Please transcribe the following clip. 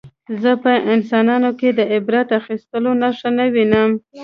زه په انسانانو کې د عبرت اخیستلو نښه نه وینم